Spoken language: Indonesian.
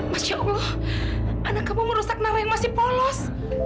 masya allah anak kamu merusak nama yang masih polos